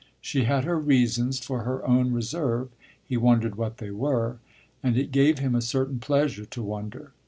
She had her reasons for her own reserve; he wondered what they were, and it gave him a certain pleasure to wonder.